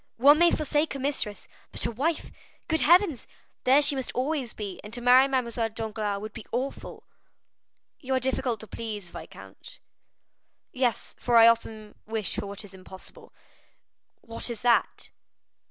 One may forsake a mistress, but a wife,—good heavens! There she must always be; and to marry Mademoiselle Danglars would be awful." "You are difficult to please, viscount." "Yes, for I often wish for what is impossible." "What is that?"